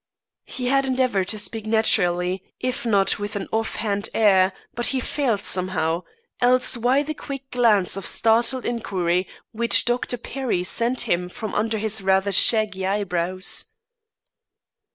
He had endeavoured to speak naturally, if not with an off hand air; but he failed somehow else why the quick glance of startled inquiry which Dr. Perry sent him from under his rather shaggy eyebrows.